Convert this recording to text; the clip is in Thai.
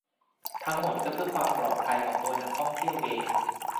ทั้งหมดก็เพื่อความปลอดภัยของตัวนักท่องเที่ยวเอง